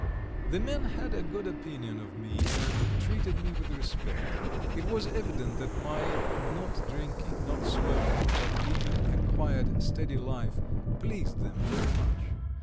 The men had a good opinion of me, and treated me with respect; it was evident that my not drinking, not smoking, but leading a quiet, steady life pleased them very much.